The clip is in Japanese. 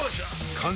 完成！